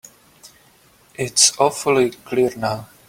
It's awfully clear now.